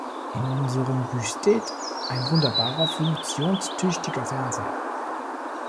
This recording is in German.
In unserem Büsteht ein wunderbarer, funktionstüchtiger Fernseher.